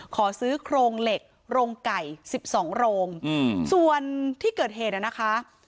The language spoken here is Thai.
ขอซื้อโครงเหล็กโรงไก่๑๒โรงส่วนที่เกิดเหตุนะคะ